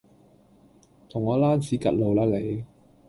同我躝屍趌路啦你